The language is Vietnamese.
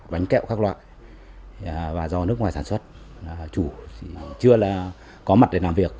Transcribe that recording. bánh kẹo các loại và do nước ngoài sản xuất chủ chưa có mặt để làm việc